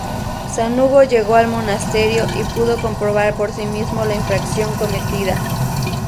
San Hugo llegó al monasterio y pudo comprobar por sí mismo la infracción cometida.